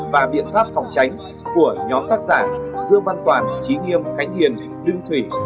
và biện pháp phòng tránh của nhóm tác giả dương văn toàn trí nghiêm khánh hiền lương thủy